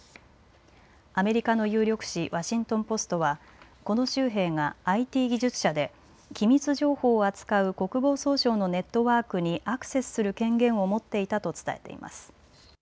アメリカの有力紙、ワシントン・ポストはこの州兵がＩＴ技術者で機密情報を扱う国防総省のネットワークにアクセスする権限を持っていたと伝えています。